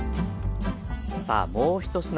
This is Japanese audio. さあもう１品。